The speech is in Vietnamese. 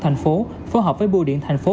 thành phố phối hợp với bùa điện thành phố